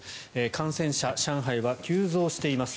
感染者、上海は急増しています。